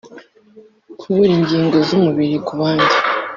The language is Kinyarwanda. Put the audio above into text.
kubura ingigo z’umubiri ku bandi,